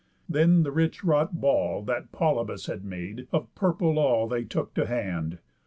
Then the rich wrought ball, That Polybus had made, of purple all, They took to hand.